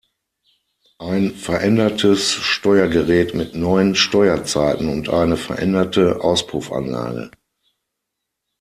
Ein verändertes Steuergerät mit neuen Steuerzeiten und eine veränderte Auspuffanlage.